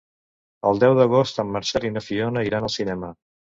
El deu d'agost en Marcel i na Fiona iran al cinema.